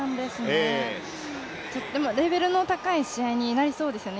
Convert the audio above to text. とてもレベルの高い試合になりそうですよね。